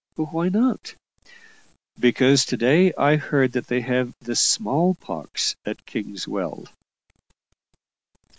"Why not?" "Because to day I heard that they have had the small pox at Kingswell."